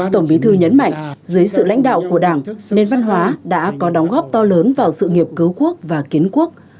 tổng bí thư nhấn mạnh dưới sự lãnh đạo của đảng nền văn hóa đã có đóng góp to lớn vào sự nghiệp cứu quốc và kiến quốc